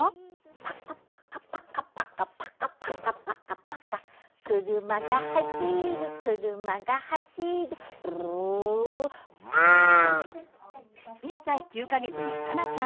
「パカパカパカパカパカパカパカパカ」「くるまがはしるくるまがはしる」「ブルルル」１歳９か月のさなちゃん。